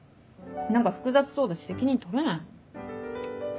何か複雑そうだし責任取れないもん。